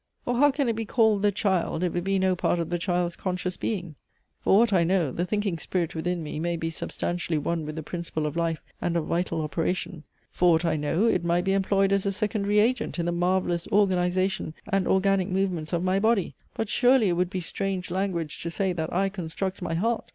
or how can it be called the child, if it be no part of the child's conscious being? For aught I know, the thinking Spirit within me may be substantially one with the principle of life, and of vital operation. For aught I know, it might be employed as a secondary agent in the marvellous organization and organic movements of my body. But, surely, it would be strange language to say, that I construct my heart!